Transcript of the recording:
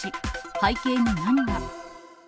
背景に何が？